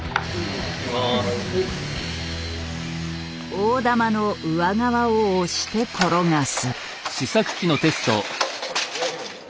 大玉の上側を押して転がす。